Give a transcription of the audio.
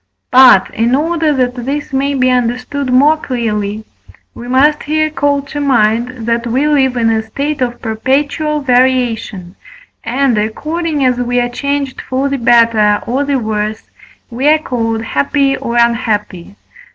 But, in order that this may be understood more clearly, we must here call to mind, that we live in a state of perpetual variation, and, according as we are changed for the better or the worse, we are called happy or unhappy.